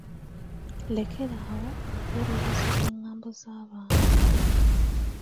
Lekera awo okuwuliriza engambo z'abantu.